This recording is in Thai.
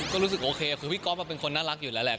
ก็รู้สึกโอเคคือพี่ก๊อฟเป็นคนน่ารักอยู่แล้วแหละ